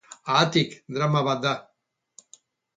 Haatik, drama bat da.